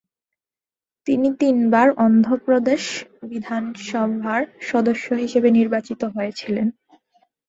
তিনি তিনবার অন্ধ্রপ্রদেশ বিধানসভার সদস্য হিসেবে নির্বাচিত হয়েছিলেন।